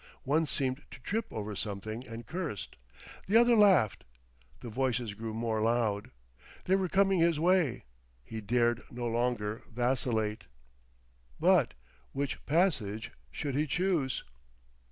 One seemed to trip over something, and cursed. The other laughed; the voices grew more loud. They were coming his way. He dared no longer vacillate. But which passage should he choose?